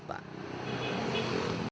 dikitai kami jakarta